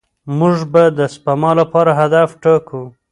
موږ به د سپما لپاره هدف ټاکو.